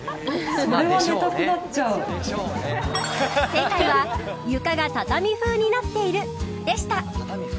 正解は床が畳になっているでした。